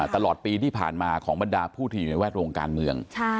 ตลอดปีที่ผ่านมาของบรรดาผู้ที่อยู่ในแวดวงการเมือง